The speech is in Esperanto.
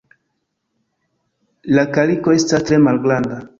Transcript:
La kaliko estas tre malgranda.